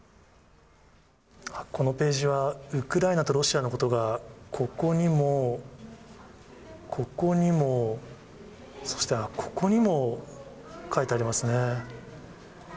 このページは、ウクライナとロシアのことが、ここにも、ここにも、そして、あっ、ここにも書いてありますね。